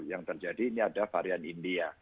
yang terjadi ini ada varian india